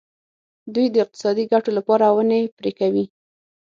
دوی د اقتصادي ګټو لپاره ونې پرې کوي.